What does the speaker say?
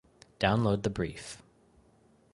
Download the Brief